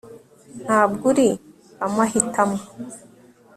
ntabwo uri amahitamo